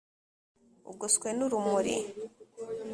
Ugoswe n urumuri